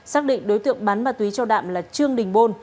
xác định đối tượng bán ma túy cho đạm là trương đình bôn